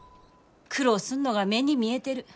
苦労すんのが目に見えてる。